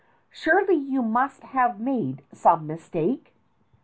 Surely you must have made some mistake